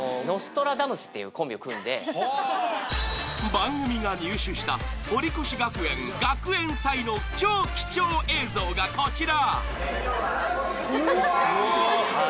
［番組が入手した堀越学園学園祭の超貴重映像がこちら］